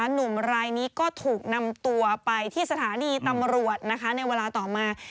หนุ่มรายนี้ก็ถูกนำตัวไปที่สถานีตำรวจนะคะในเวลาต่อมา